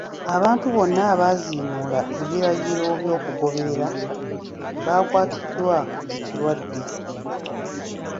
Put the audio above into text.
Abantu bonna abaaziimuula ebiragiro by'okugoberera baakwatiddwa ekirwadde.